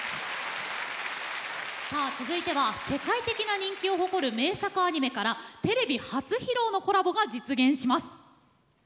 続いては世界的な人気を誇る名作アニメからテレビ初披露のコラボが実現します。